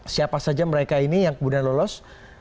siapa saja mereka ini yang kemudian lolos